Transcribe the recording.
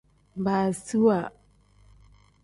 Baasiwa.